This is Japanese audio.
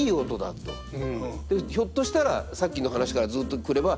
ひょっとしたらさっきの話からずっと来れば